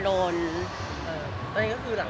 ก็มาเขินเรื่องไหน